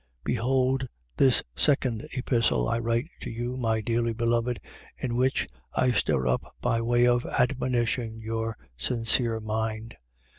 3:1. Behold this second epistle I write to you, my dearly beloved, in which, I stir up by way of admonition your sincere mind: 3:2.